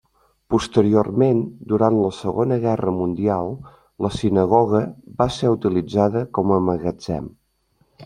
Posteriorment, durant la Segona Guerra Mundial, la sinagoga va ser utilitzada com a magatzem.